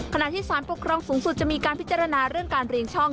ขณะที่สารปกครองสูงสุดจะมีการพิจารณาเรื่องการเรียงช่อง